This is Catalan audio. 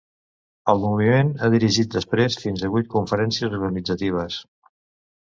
El moviment ha dirigit després fins a vuit conferències organitzatives.